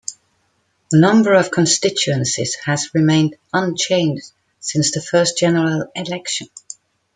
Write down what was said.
The number of constituencies has remained unchanged since the first general election.